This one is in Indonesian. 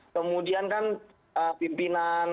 kemudian kan pimpinan